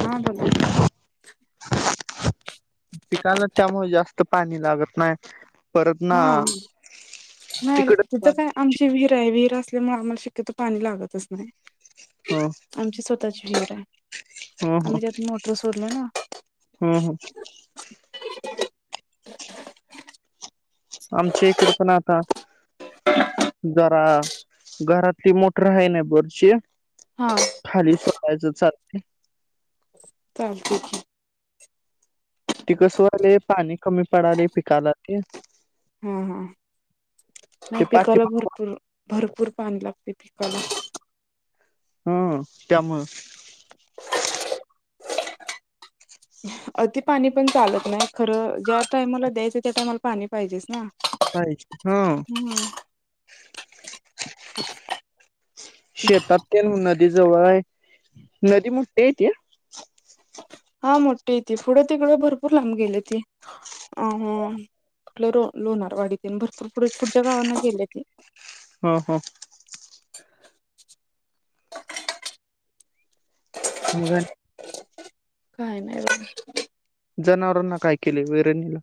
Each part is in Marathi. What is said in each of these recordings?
हा बोला की पिकायला त्यामुळे जास्त पाणी लागत नाही. परत ना. हा तिकड विर असल्यामुळे आम्हाला शक्यत पाणी लागतच नाही आम स् [inaudible] हम-हम, ना हम्-हम आमच्या इकड पण आता जरा घरातली मोठर आहे ना बोरची हा खाली सोडायचं चालय. चालतंय की. त कसं आले पाणी कमी पडाले पिकाला ते हम ते नाही पिकाला पाठीमाग भरपूर-भरपूर पाणी लागते पिकाला. हम् त्यामुळं अति पाणी पण चालत नाही खरं ज्या टायमाला द्यायचं त्या टायमाला पाणी पाहिजेच ना. [unintelligible] हम शेतात त्या नदी जवळ आहे नदी मुठी हिते. हा मोठी ती पुढं तिकडं भरपूर लांब गेले ती. अ आपल्य लोणारवाडीत भरपूर पुढे पुढच्या गावांना गेले ते. हो हो. [inaudible] मग आणि. काय नाही बघ. जनावरांना काय केले, वैरणीला.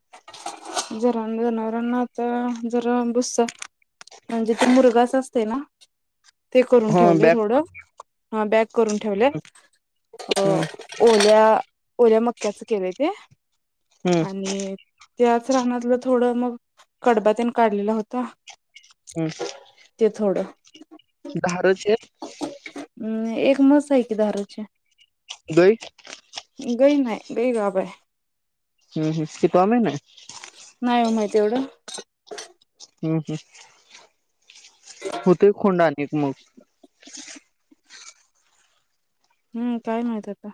जरा जनावरांना आता, जरा बुसा. म्हणजे ते मुर्गास असते ना. ते करून ह ठेवले बॅग थोडं, हा बॅक करून ठेवले. हम्म ओल्या, ओल्या मक्याचं केलंय ते. हम्म. आणि, त्याच रंगणातलं थोडं मग कडबा तेन काढलेला होता. हम्. ते थोडं. धारेचे. हम्, एक म्हंस आहे की धारची. गाई. गई नाही, गई गबाय. हम-हम कितवा महिना आहे. नाही हो माहित एवढं. हम्म-हम्म. होतंय खोंडा आणि एक मग. हम्म, काय माहित आता.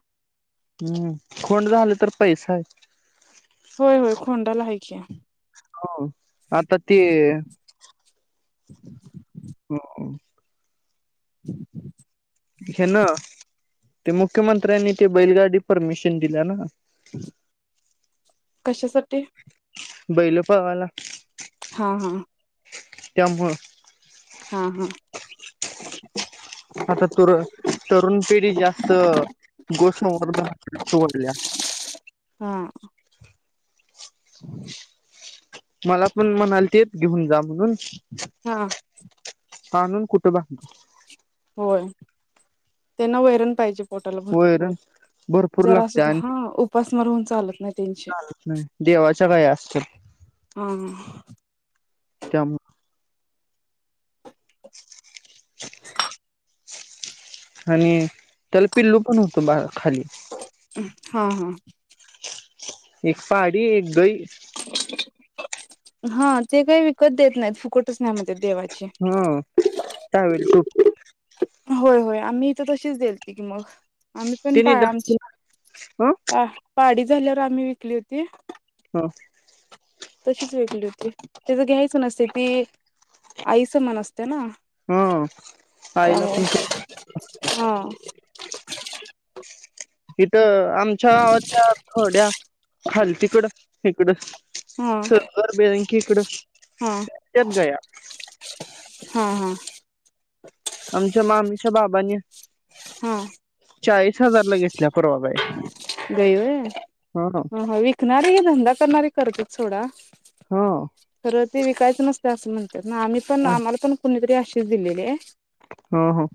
हम्म, खोंड झालं तर पैसा आहे. होय-होय खोंडाला आहेय की. हो आता ते [unintelligible] ह [inaudible] किती हेन्न. ते मुख्यमंत्र्यांनी ते बैलगाडी परमिशन दिल्या ना. कशासाठी. बैल पळवाय ला. हा-हा त्यामुळ. हा-हा आता तरु तरुण पिढी जास्त गोसंवर्धनाकडंच वळल्या. हम्म. मला पण म्हणालतीत घेऊन जा म्हणून. हा. कानून कुठे दुखणार. होय त्यांना वैरण पाहिजे पोटाला भरपूर. वैरण भरपूर जरा लागते सुद्धा, हा आणि उपासमार होन चालत नाही त्यांचे. देवाच्या गाया असतात हा हा. त्यामु [inaudible] आणि त्याला पिल्लू पण होतो बा खाली. अं हा हा. एक साडी, एक दई. हा ते काही विकत देत नाहीत, फुकटच न्या म्हणत्यात देवा हं टॉवेलटोप होय, होय आम्ही त तशीच देलती की मग. आम्ही पण तिने पा आमची, दक्षिण ह पा-पाडी झाल्यावर आम्ही विकली होती. हं! तशीच विकली होती, तीचं घ्यायच नसते ती आई समान असतें ना. हा आईला अं पण हा! इथं आमच्या आवच्या खोड्या, खालतिकड हीकडं. हा सरकार बँकीकड हा इतक्यात गया. हा हा! आमच्या मामी च्या बाबांनी हा! चाळीस हजारला, घेेतल्या परवा बाय. गई व्हयं हं हं विकणार हे की धंदा करणारये करतीत सोडा. हं! तरं ती विकायच नसत असं म्हणत्यात ना, आम्ही पण, ह आम्हाला पण कुणीतरी अशीच दिलेली आहे. हं हं!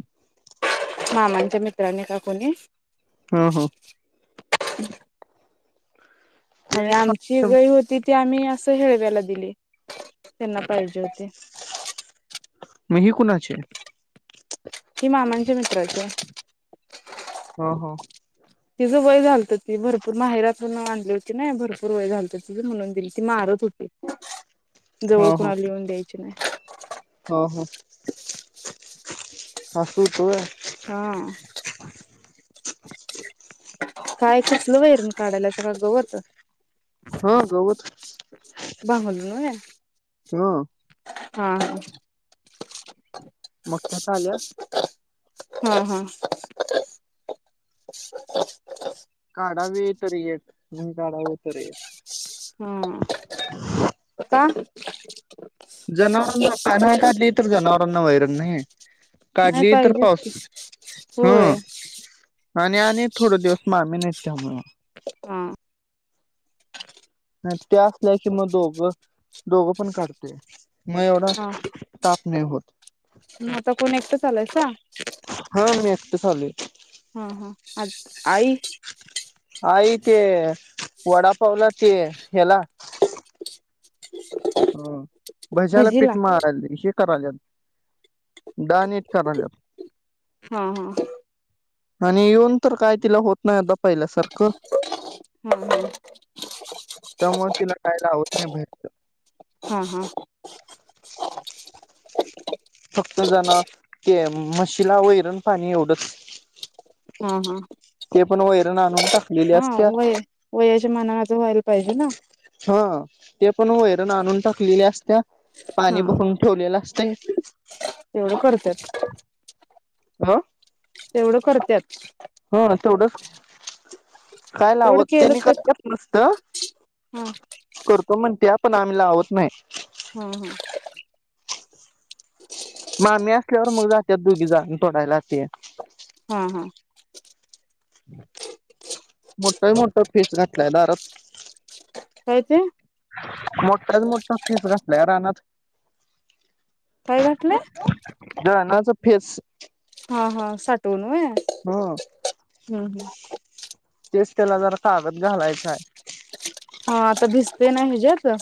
मामांच्या मित्रांनी का कोणी? हं हं! ते अणि आमची गई होती ती आम्ही असं, हेळव्याला दिली त्यांना पाहिजे होती. म ही कुणाचीय? हि मामांच्या मित्राची हाय. हं हं! तिचं वय झालतं ती भरपूर माहेरातुन आणली होती ना भरपूर वय झालतं तिचं म्हणून दिली ती मारत होती. [inaudible] ह जवळ कुणाला येऊन द्यायची नाही. हं हं अस होत व्हयं. कां! काय कसंलं वैरण काढायला सगळं गवत? हा गवत [inaudible] व्हयं ह हा! मग त्यात आल्या [unintelligible] हा हा! काढावीे तर येत, नाही काढाव तरी येतं. हं का? जनावरांना काय न्ह्याय काढली तर जनावरांना वैरण नाही. नाय काढली तर पाहिजेच की, पाऊस ह होय. आणि, आणि थोड दिवस मामी नाहीत त्यामुळ. हा! नाही त्या असल्या की मग दोघं-दोघं पण काढतेय म एवढा ताप नाही होत. म आता कोण एकटंच आलायसा. हा मी एकट चालू हा हा आत-आई! आई ते वडापावला ते ह्याला [inaudible] हो भज्याला भजीला पीठ मळ [unintelligible] कराल्यात डाळ निट कराल्यात हा -हा आणि येऊन तर काय तिला होत नाही अग पहिल्या सारख ख. हा हा त्यामुळे तिला काय लावत नाही बे हा हा. [inaudible] फक्त जनावर, ते म्हशीला वैरण पाणी एवढंच हा हा [inaudible] ते पण वैरण आणून टाकलेली हा असत्या. वय वयाच्या मानाने तर व्हायला पाहिजे ना, हा, ते पण वैरण आणून टाकलेली असत्या. पाणी हा भरून ठेवलेलं असतय. [inaudible] तेवढं करत्यात अ तेवढं करत्यात हा तेवढ. [inaudible] काय तेवढं लावत केलं त्यांनी तर कच नसत. हा करतो म्हण त्या पण आम्हील लावत नाही. हम् हम्! मामी असल्यावर मग जाते दोघी जाण तोडायलाते. हा हा.. [inaudible] मोठ मोठं पीस घातलाय दारात. काय ते मोठाच मोठा पीस घातलंय रानात. काय घातलय? दळना च फेस हा -हा -साठहून होय हा हम्म -हम्म तेच त्याला जरा कागद घालायचांय. हा आता भिजते ना हे जे आपल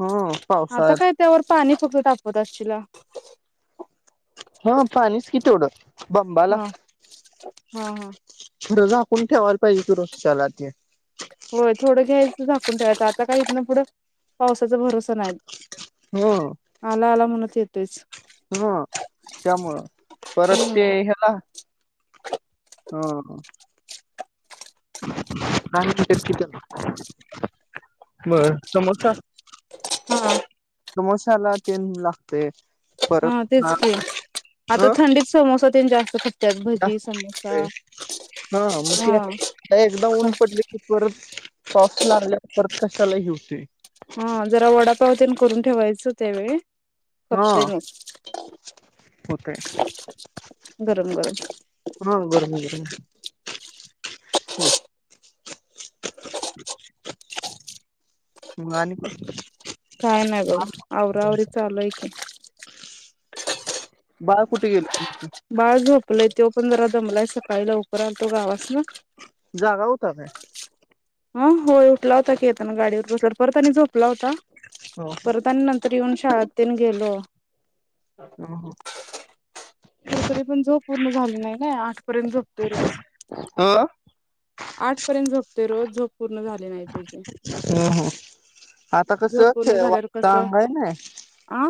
हम पावसाळ्यात, त्यावर पाणी फक्त तापवत असशिला. हा पाणीच कि तेवढं बंबाला [inaudible] हा हा हा खरं झाकून ठेवायला पाहिजे त रोजच्याला ते. होय थोडं घ्यायचं झाकून ठेवायचं, आता काय इथून पुढं पावसाचा भरोसा नाही. आला -आला म्हणत येतोच ह त्यामुळं-परत ते हम्म ह्याला हा ह [unintelligible] बरं समोसा [inaudible] हा समोशाला तेल लागतय. हा तेच कि, आता अ थंडीत समोसा ते जास्त खपत्यात [inaudible] भजी समोसा हा मग हा एकदा ऊन पडली कि - परत पाऊस लागल्या वर परत कशालाही होती. हा जरा वडापाव त आणि करून ठेवायचं त्यावेळी हा खपते म होतय गरम गरम. बोललेल स्पष्ट ऐकायला येत नाही. हो! [inaudible] काय नाही बघा आवराआवरी चालूय की [unintelligible] बाळ कुठे गेले. बाळ झोपलंय तो पण जरा दमलाय सकाळी लव प तो गावास ना. जागा होता काय ह होय उठला होता की येताना गाडीवर बसला परत आणि झोपला होता परत आणि नंतर. येऊन शाळेतन गेलो. ह-ह खर तरी पण झोप पूर्ण झाली नाही ना आठ पर्यंत झोपतोय रोज. अ आठ पर्यंत झोपते रोज झप पूर्ण झाले नाही पाजे. हो-हो आता कस पूर्ण झाल्यावर वाडत कसं अंग आहे नाय आ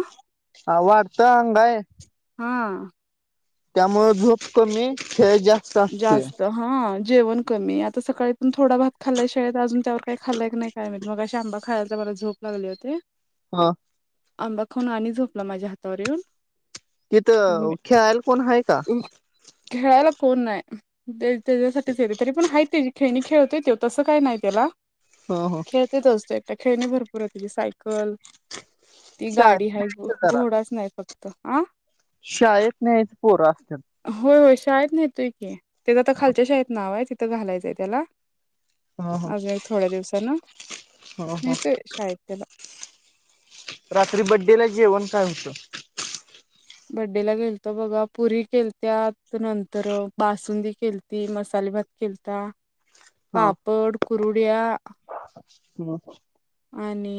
ह वाडत अंगाय. हा. त्यामुळे धूप कमी खेळ जा. जास्त हा जेवण कमी आता सकाळीतून थोडा भात खाल्य शाळेत अजून त्यावर. काही खालय नाही काय माहीत मगाशी आंबा खायला तर मला झोप लागली होती. हा. आंबा खणून आणि झोपला माझ्या हातावर येऊन. तिथं खेळायला कोण आहे का. खेळायला कोण नाही त्याच्यासाठीच येत तरी पण हायत त्याजी. खेणी खेळतोय त तसं काय नाही त्याला. हा हा. तेच असतो एक खेळणी भरपूर होती की सायकल. ती शाळेत गाडी ह न्यायचं जरा घोडाच नाही फक्त हा. शाळेत न्यायचं पोरं असत. होय होय शाळेत नाहीेतय की तेचं आता खालच्या शाळेत नाव आहे तिथं घालायचंय त्याला. ह ह अजून एक थोड्या दिवसाना ह ह ने तोय शाळेत त्याला. रात्री बड्डे ला जेवण कायमचं. बड्डेला गेलतो बघा पुरी केल त्यात नंतर बासुंदी केल त मसाले भात खलता पापड कुरुड्या. हम्. आणि.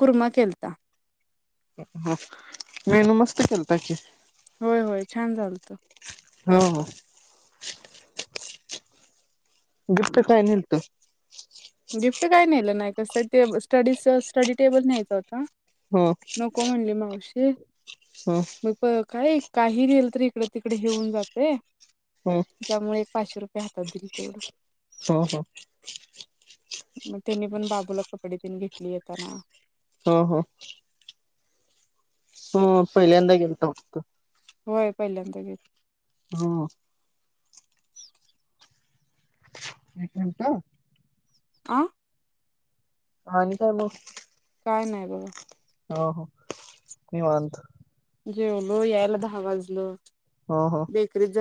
कुर्मा केलता. ह मेनू मस्त खेलता की. होय होय छान झालत. हा. गिफ्ट काय नेहल्तो. गिफ्ट काय नेलं नाही कसं ते स्टडी-स्टडी टेबल न्यायच होता. हो. नको म्हणली मावशी. हो. मग प काय काही नाहील तररी इकडे तिकडे येऊन जाते. हा त्यामुळे एक पाचशे रुपये हातात दिली तेवढं हो हो मग तेंनी पण बाबूला कपडे देन घेतली येताना हा हा हम पहिल्यांदा गेलता वाटतं होय पहिल्यांदा गेलं हा एक मिनिट हा आं आणि काय मग? काय नाही बघा. हो हो निवांत जेवलो, यायला दहा वाजलं. हा हा बेकरीत जरा